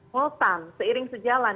multan seiring sejalan